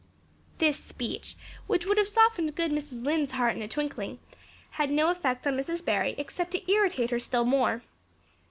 This speech which would have softened good Mrs. Lynde's heart in a twinkling, had no effect on Mrs. Barry except to irritate her still more.